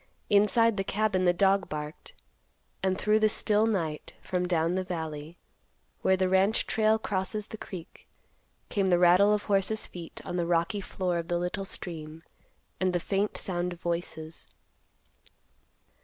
Inside the cabin the dog barked, and through the still night, from down the valley, where the ranch trail crosses the creek, came the rattle of horses' feet on the rocky floor of the little stream, and the faint sound of voices.